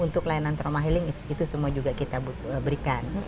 untuk layanan trauma healing itu semua juga kita berikan